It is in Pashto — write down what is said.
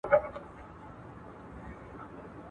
زما په مینه زوی له پلار څخه بیلیږي!